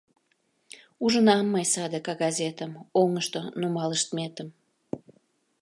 Ужынам мый саде кагазетым, оҥышто нумалыштметым.